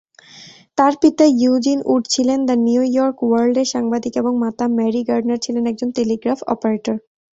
তার পিতা Eugene Wood ছিলেন "দ্য নিউ ইয়র্ক ওয়ার্ল্ড"-এর সাংবাদিক এবং মাতা ম্যারি গার্ডনার ছিলেন একজন টেলিগ্রাফ অপারেটর।